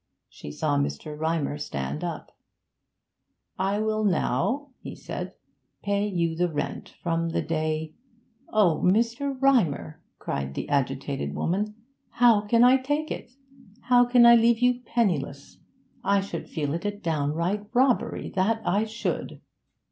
She saw Mr. Rymer stand up. 'I will now,' he said, 'pay you the rent from the day ' 'Oh, Mr. Rymer!' cried the agitated woman. 'How can I take it? How can I leave you penniless? I should feel it a downright robbery, that I should!'